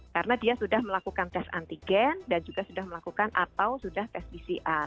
karena dia sudah melakukan tes antigen dan juga sudah melakukan atau sudah tes pcr